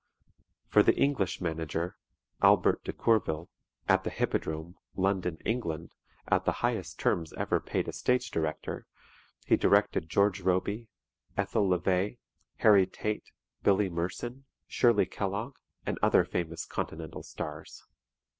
For the English manager, Albert de Courville, at the Hippodrome, London, England, at the highest terms ever paid a stage director, he directed George Robey, Ethel Levey, Harry Tate, Billy Merson, Shirley Kellogg, and other famous continental stars.